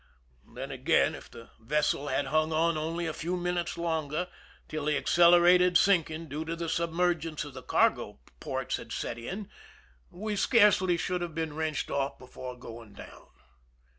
Then, again, if the vessel had hung on only a few minutes longer, till the accelerated sinking due to the submergence of the cargo ports had set in, we 163 THE SINKING OF THE "MEEEIMAC" scarcely should have been wrenched off before going down.